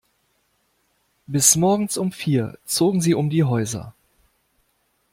Bis morgens um vier zogen sie um die Häuser.